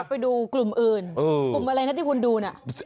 ไปดูกลุ่มอื่นกลุ่มอะไรนะที่คุณดูน่ะ